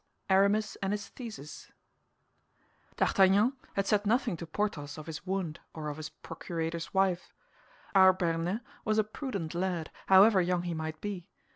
ARAMIS AND HIS THESIS D'Artagnan had said nothing to Porthos of his wound or of his procurator's wife. Our Béarnais was a prudent lad, however young he might be.